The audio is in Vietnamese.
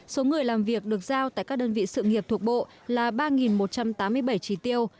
số người làm việc được giao tại các đơn vị sự nghiệp thuộc bộ là ba một trăm tám mươi bảy trí tiêu